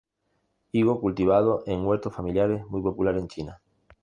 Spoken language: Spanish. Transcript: Higo cultivado en huertos familiares muy popular en China.